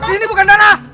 ini bukan darah